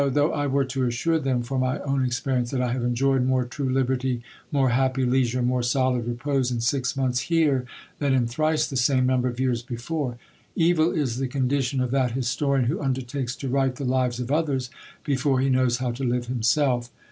though I were to assure them, from my own experience, that I have enjoyed more true liberty, more happy leisure, and more solid repose, in six months HERE, than in thrice the same number of years before. _Evil is the condition of that historian who undertakes to write the lives of others, before he knows how to live himself.